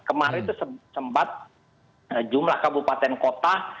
kemarin itu sempat jumlah kabupaten kota